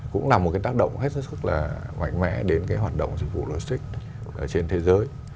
cũng là một cái tác động hết sức là mạnh mẽ đến cái hoạt động dịch vụ logistics trên thế giới